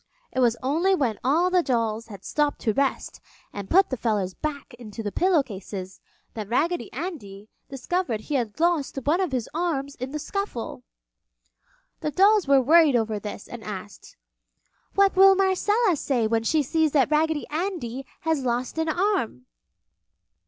It was only when all the dolls had stopped to rest and put the feathers back into the pillow cases that Raggedy Andy discovered he had lost one of his arms in the scuffle. The dolls were worried over this and asked, "What will Marcella say when she sees that Raggedy Andy has lost an arm?"